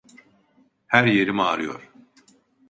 Her yerim ağrıyor.